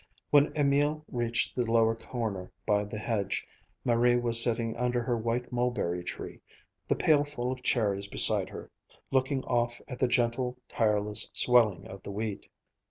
When Emil reached the lower corner by the hedge, Marie was sitting under her white mulberry tree, the pailful of cherries beside her, looking off at the gentle, tireless swelling of the wheat.